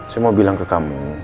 saya mau bilang ke kamu